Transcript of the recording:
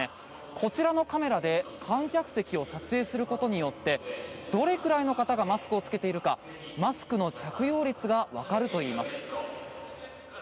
こちらのカメラで観客席を撮影することによってどれくらいの方がマスクを着けているかマスクの着用率がわかるといいます。